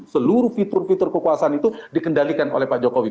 seluruh fitur fitur kekuasaan itu dikendalikan oleh pak jokowi